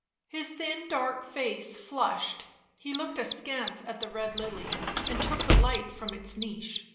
His thin, dark face flushed; he looked askance at the red lily and took the light from its niche.